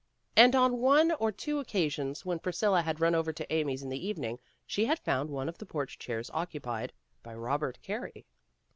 And on one or two occasions when Priscilla had run over to Amy's in the evening, she had found one of the porch chairs occupied by Robert Carey.